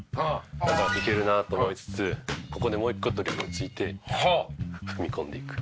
だからいけるなと思いつつここでもう一個ドリブルついて踏み込んでいく。